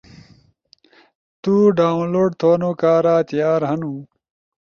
تو ڈاونلوڈ تھونو کارا تیار ہنو